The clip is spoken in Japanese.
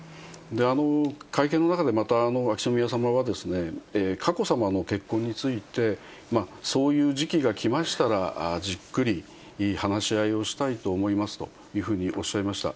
会見の中で秋篠宮さまは、佳子さまの結婚について、そういう時期が来ましたら、じっくり話し合いをしたいと思いますというふうにおっしゃいました。